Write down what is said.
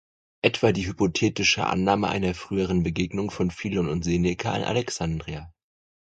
Etwa die hypothetische Annahme einer früheren Begegnung von Philon und Seneca in Alexandria.